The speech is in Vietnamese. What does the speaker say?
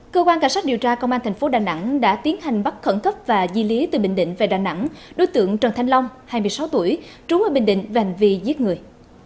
cơ quan cảnh sát điều tra công an thành phố đà nẵng đã tiến hành bắt khẩn cấp và di lý từ bình định về đà nẵng đối tượng trần thanh long hai mươi sáu tuổi trú ở bình định về hành vi giết người